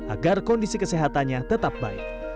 agar kondisi kesehatannya tetap baik